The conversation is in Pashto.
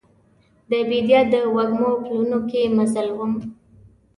د بیدیا د وږمو پلونو کې مزل وم